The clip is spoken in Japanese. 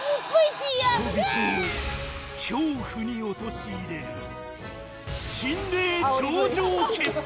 「人々を恐怖に陥れる心霊頂上決戦！」